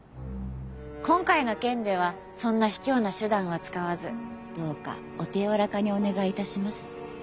今回の件ではそんな卑怯な手段は使わずどうかお手柔らかにお願いいたします。